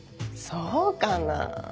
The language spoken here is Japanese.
そうかなぁ？